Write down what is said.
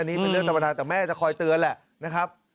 อันนี้เป็นเรื่องธรรมดาแต่แม่จะคอยเตือนแหละนะครับ